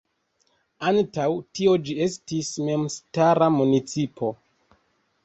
Antaŭ tio ĝi estis memstara municipo.